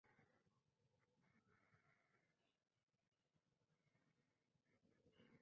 Atenderá la demanda del barrio Danubio y sus alrededores.